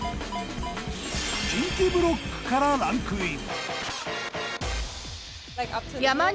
近畿ブロックからランクイン。